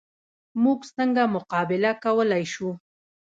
موږ څنګه مقابله کولی شو؟